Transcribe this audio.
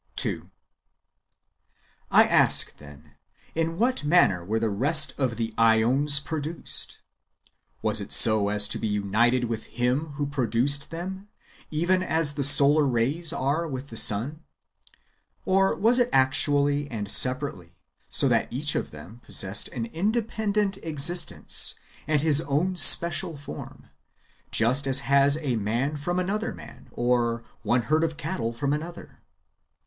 2. I ask, then, in what manner were the rest of the .^ons produced ? Was it so as to be united with Him who produced them, even as the solar rays are with the sun ; or was it actually ^ and separately, so that each of them possessed an independent existence and his own special form, just as has a man from another man, and one herd of cattle from another?